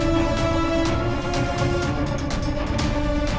gak ada langkah